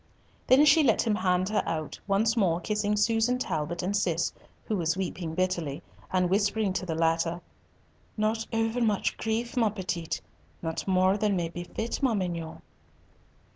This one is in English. Then she let him hand her out, once more kissing Susan Talbot and Cis, who was weeping bitterly, and whispering to the latter, "Not over much grief, ma petite; not more than may befit, ma mignonne."